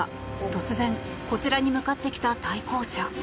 突然こちらに向かってきた対向車。